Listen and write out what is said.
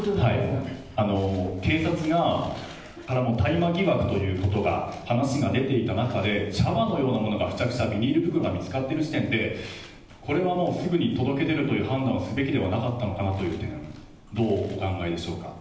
警察が、大麻疑惑ということが、話が出ていた中で、茶葉のようなものが付着したビニール袋が見つかっている時点で、これはもうすぐに届け出るという判断をすべきではなかったのかなという点、どうお考えでしょうか。